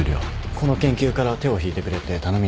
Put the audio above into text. この研究から手を引いてくれって頼みに来たんだ。